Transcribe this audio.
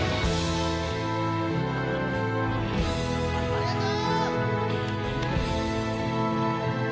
ありがとう！